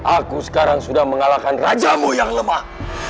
aku sekarang sudah mengalahkan rajamu yang lemah